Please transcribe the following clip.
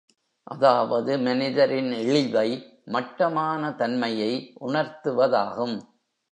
அதாவது மனிதரின் இழிவை மட்டமான தன்மையை உணர்த்துவதாகும்.